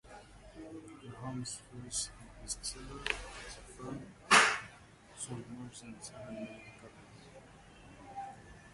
Grisham's first bestseller, "The Firm", sold more than seven million copies.